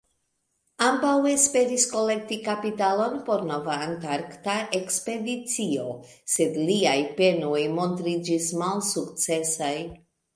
Ambaŭ esperis kolekti kapitalon por nova antarkta ekspedicio, sed liaj penoj montriĝis malsukcesaj.